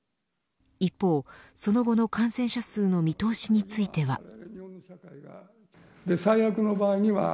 一方、その後の感染者数の見通しについては。